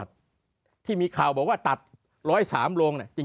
ที่มีข่าวบอกว่าตัด๑๐๓โรง